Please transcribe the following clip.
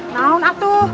nah nah tuh